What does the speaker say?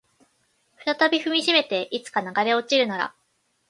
再び踏みしめていつか流れ落ちるなら